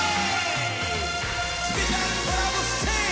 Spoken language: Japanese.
スペシャルコラボレーション！